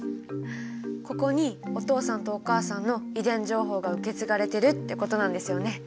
ここにお父さんとお母さんの遺伝情報が受け継がれてるってことなんですよね。